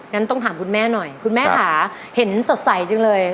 งั้นต้องถามคุณแม่หน่อยคุณแม่ค่ะเห็นสดใสจังเลย